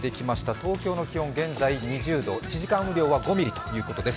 東京の気温、現在２０度、１時間雨量は５ミリということです。